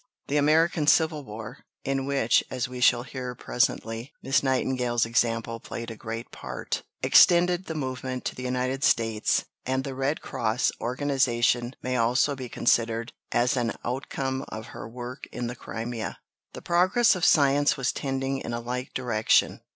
The American Civil War (in which, as we shall hear presently, Miss Nightingale's example played a great part) extended the movement to the United States, and the Red Cross organization may also be considered as an outcome of her work in the Crimea. The progress of science was tending in a like direction.